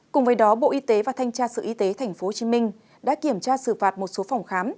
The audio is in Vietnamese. cùng với đó bộ y tế và thanh tra sở y tế tp hcm đã kiểm tra xử phạt một số phòng khám